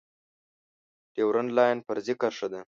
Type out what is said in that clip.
ډیورنډ لاین فرضي کرښه ده